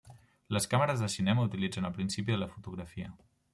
Les càmeres de cinema utilitzen el principi de la fotografia.